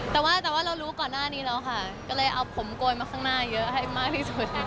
แต่ว่าแต่ว่าเรารู้ก่อนหน้านี้แล้วค่ะก็เลยเอาผมโกยมาข้างหน้าเยอะให้มากที่สุด